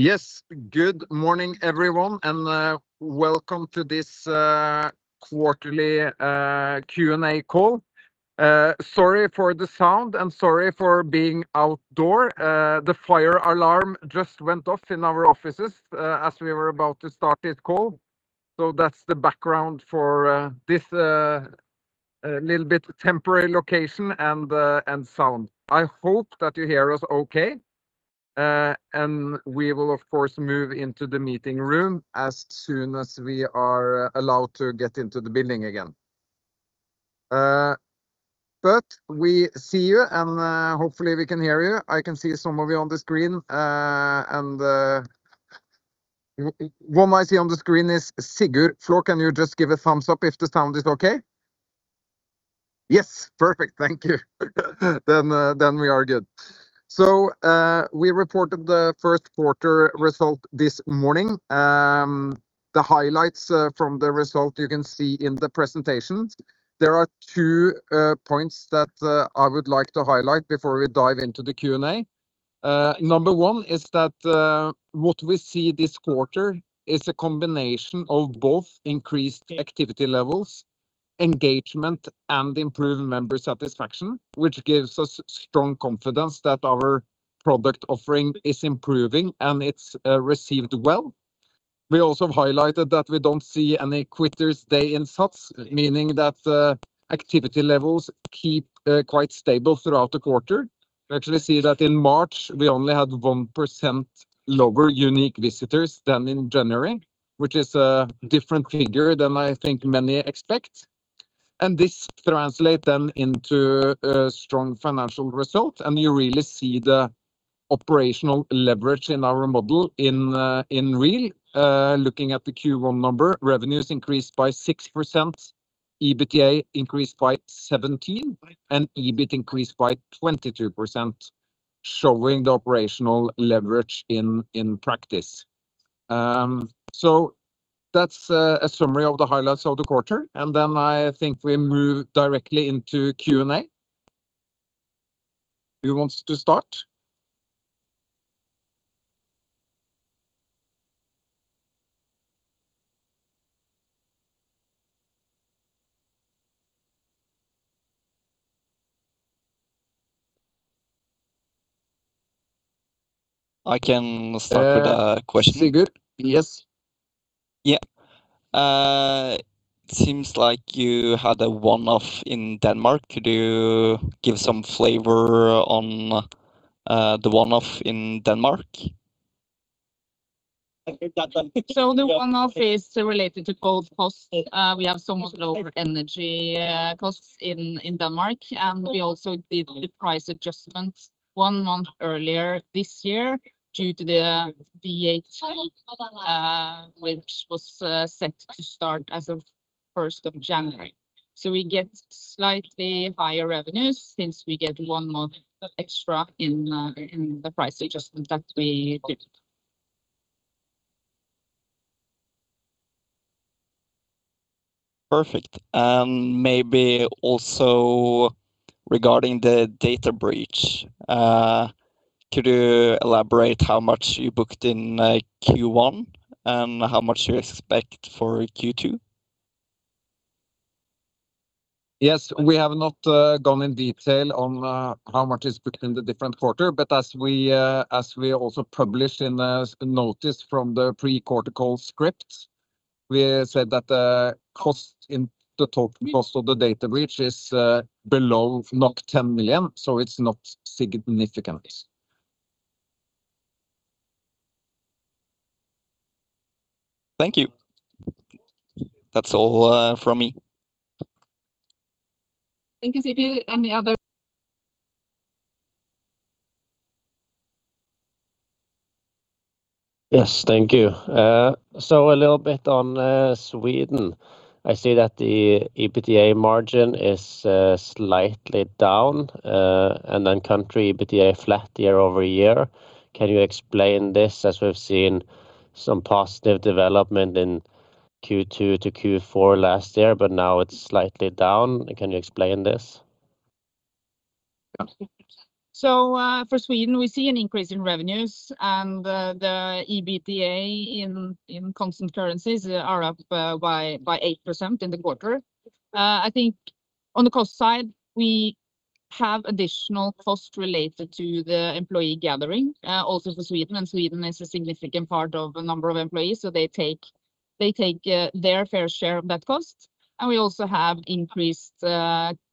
Yes. Good morning, everyone, and welcome to this quarterly Q&A call. Sorry for the sound and sorry for being outdoors. The fire alarm just went off in our offices as we were about to start this call. That's the background for this little bit temporary location and sound. I hope that you hear us okay. We will of course move into the meeting room as soon as we are allowed to get into the building again. We see you and hopefully we can hear you. I can see some of you on the screen. One I see on the screen is Sigurd Flo, can you just give a thumbs up if the sound is, okay? Yes. Perfect. Thank you. We are good. We reported the Q1 result this morning. The highlights from the result you can see in the presentations. There are two points that I would like to highlight before we dive into the Q&A. Number one is that what we see this quarter is a combination of both increased activity levels, engagement and improved member satisfaction, which gives us strong confidence that our product offering is improving and it's received well. We also highlighted that we don't see any quitters stay in SATS, meaning that the activity levels keep quite stable throughout the quarter. We actually see that in March we only had 1% lower unique visitors than in January, which is a different figure than I think many expect. This translates then into a strong financial result and you really see the operational leverage in our model in real. Looking at the Q1 number, revenues increased by 6%, EBITDA increased by 17%, and EBIT increased by 22%, showing the operational leverage in practice. So that's a summary of the highlights of the quarter. Then I think we move directly into Q&A. Who wants to start? I can start with a question. Sigurd. Yes. Yeah. Seems like you had a one-off in Denmark. Could you give some flavor on the one-off in Denmark? I think. The one-off is related to cold costs. We have somewhat lower energy costs in Denmark, and we also did the price adjustments one month earlier this year due to the VAT, which was set to start as of 1st of January. We get slightly higher revenues since we get one month extra in the price adjustment that we did. Perfect. Maybe also regarding the data breach, could you elaborate how much you booked in Q1 and how much you expect for Q2? Yes. We have not gone in detail on how much is booked in the different quarter. As we, as we also published in a notice from the pre-quarter call script, we said that the total cost of the data breach is below 10 million, so it's not significant. Thank you. That's all from me. Thank you, Sigurd. Yes. Thank you. A little bit on Sweden. I see that the EBITDA margin is slightly down, and then country EBITDA flat year-over-year. Can you explain this as we've seen some positive development in Q2-Q4 last year, but now it's slightly down? Can you explain this? For Sweden we see an increase in revenues and the EBITDA in constant currencies are up by 8% in the quarter. I think on the cost side we have additional cost related to the employee gathering also for Sweden and Sweden is a significant part of the number of employees, so they take their fair share of that cost. We also have increased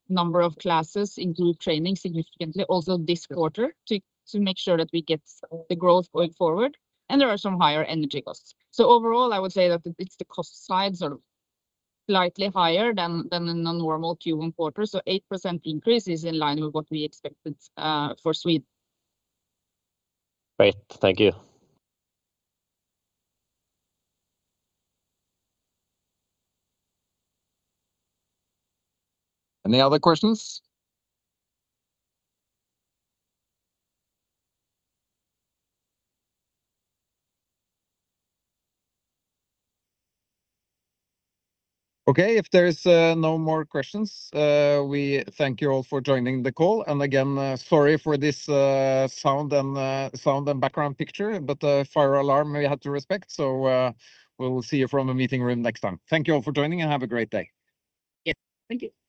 number of classes in group training significantly also this quarter to make sure that we get the growth going forward and there are some higher energy costs. Overall, I would say that it's the cost side sort of slightly higher than a normal Q1 quarter. 8% increase is in line with what we expected for Sweden. Great. Thank you. Any other questions? Okay. If there are no more questions, we thank you all for joining the call. Again, sorry for this sound and background picture, but the fire alarm we had to respect so, we'll see you from a meeting room next time. Thank you all for joining and have a great day. Yes. Thank you.